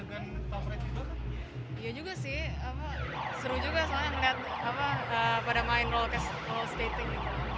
iya juga sih seru juga soalnya ngelihat pada main roller skating